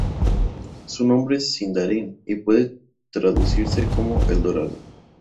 Su nombre es Sindarin y puede traducirse como El Dorado.